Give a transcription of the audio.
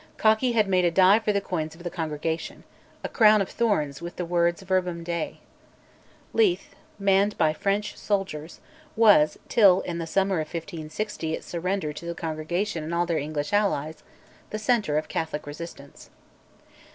{111b} Cokky had made a die for the coins of the Congregation a crown of thorns, with the words Verbum Dei. Leith, manned by French soldiers, was, till in the summer of 1560 it surrendered to the Congregation and their English allies, the centre of Catholic resistance.